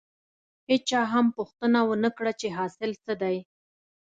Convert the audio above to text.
هېچا هم پوښتنه ونه کړه چې حاصل څه دی.